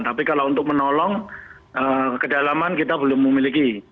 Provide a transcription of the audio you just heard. tapi kalau untuk menolong kedalaman kita belum memiliki